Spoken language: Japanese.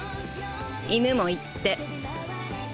犬も言って！